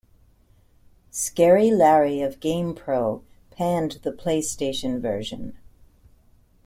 Scary Larry of "GamePro" panned the PlayStation version.